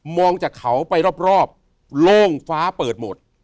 องจากเขาไปรอบโล่งฟ้าเปิดหมด